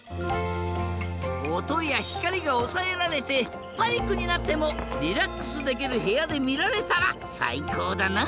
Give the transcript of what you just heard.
おとやひかりがおさえられてパニックになってもリラックスできるへやでみられたらさいこうだな。